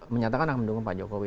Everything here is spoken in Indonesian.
menyatakan akan mendukung pak jokowi